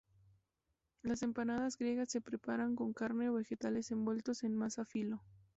Las empanadas griegas se preparan con carne o vegetales envueltos en masa filo.